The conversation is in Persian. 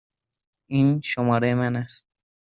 این شماره من است.